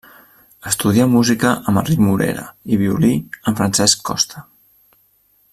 Estudià música amb Enric Morera i violí amb Francesc Costa.